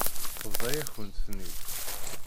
Tebḍa-yakent-ten-id.